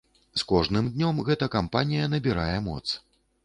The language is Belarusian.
С кожным днём гэта кампанія набірае моц.